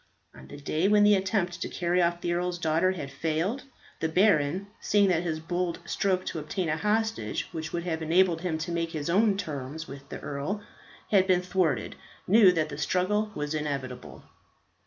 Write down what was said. On the day when the attempt to carry off the earl's daughter had failed, the baron, seeing that his bold stroke to obtain a hostage which would have enabled him to make his own terms with the earl, had been thwarted, knew that the struggle was inevitable.